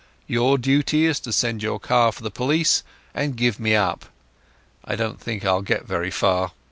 Your duty is to send your car for the police and give me up. I don't think I'll get very far.